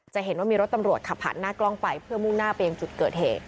จะเห็นว่ามีรถตำรวจขับผ่านหน้ากล้องไปเพื่อมุ่งหน้าไปยังจุดเกิดเหตุ